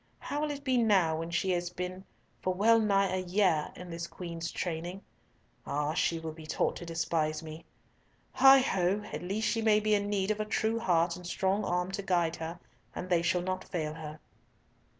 How will it be now when she has been for well nigh a year in this Queen's training? Ah! she will be taught to despise me! Heigh ho! At least she may be in need of a true heart and strong arm to guard her, and they shall not fail her."